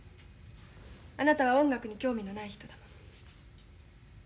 あなたは音楽に興味のない人だもの。